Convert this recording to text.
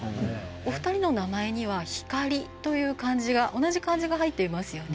お二人の名前には「光」という同じ漢字が入っていますね。